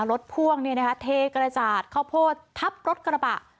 รถพ่วงเนี่ยนะคะเทกรจาดเข้าโพดทับรถกระบะ